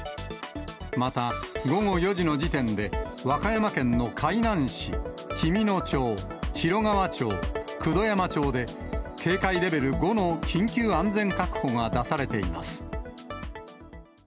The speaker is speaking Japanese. また午後４時の時点で、和歌山県の海南市、紀美野町、広川町、九度山町で警戒レベル５の緊急安全確保が出されています。